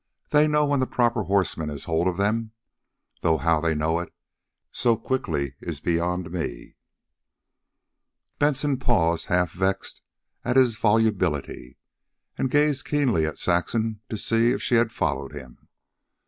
They know when the proper horseman has hold of them, though how they know it so quickly is beyond me." Benson paused, half vexed at his volubility, and gazed keenly at Saxon to see if she had followed him.